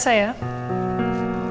saya sudah minta uang